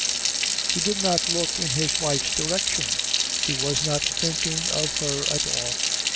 He did not look in his wife's direction. He was not thinking of her at all.